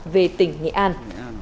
về tỉnh nghệ an